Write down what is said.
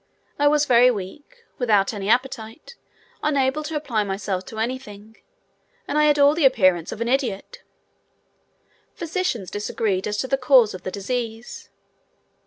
I was very weak, without any appetite, unable to apply myself to anything, and I had all the appearance of an idiot. Physicians disagreed as to the cause of the disease.